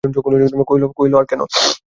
কহিল, আর কেন।